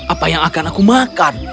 apa yang akan aku makan